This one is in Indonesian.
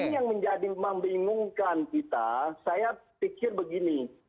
ini yang menjadi membingungkan kita saya pikir begini